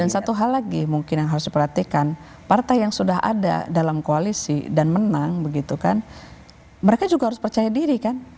dan satu hal lagi mungkin yang harus diperhatikan partai yang sudah ada dalam koalisi dan menang begitu kan mereka juga harus percaya diri kan